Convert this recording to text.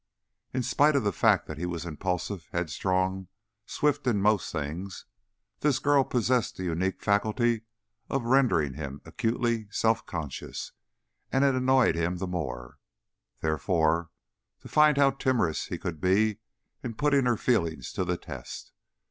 In spite of the fact that he was impulsive, headstrong, swift in most things, this girl possessed the unique faculty of rendering him acutely self conscious, and it annoyed him the more, therefore, to find how timorous he could be in putting her feelings to the test.